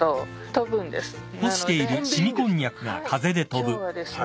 今日はですね